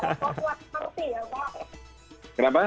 potluck party ya pak